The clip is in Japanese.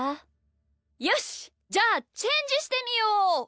よしじゃあチェンジしてみよう！